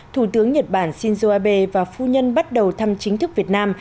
thủ tướng nhật bản shinzo abe và phu nhân bắt đầu thăm chính thức việt nam